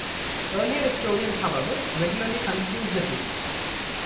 Earlier historians however, regularly confused the two.